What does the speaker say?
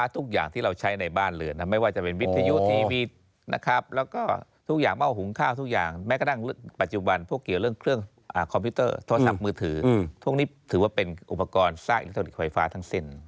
ท่วงนี้ถือว่าเป็นอุปกรณ์สร้างอิเล็กทรอนิกส์ไฟฟ้าทั้งเส้น